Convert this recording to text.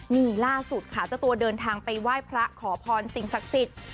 นี่ล่าสุดค่ะเจ้าตัวเดินทางไปไหว้พระขอพรสิ่งศักดิ์สิทธิ์